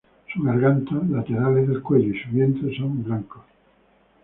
Su garganta, laterales del cuello y su vientre son blancos.